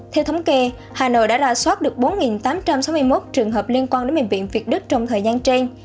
theo thống kê hà nội đã ra soát được bốn tám trăm sáu mươi một trường hợp liên quan đến bệnh viện việt đức trong thời gian trên